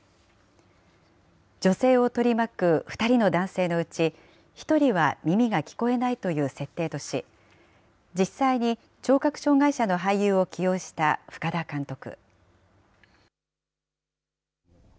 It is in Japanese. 女性を取り巻く２人の男性のうち、１人は耳が聞こえないという設定とし、実際に聴覚障害者の俳優を起用した深田監督。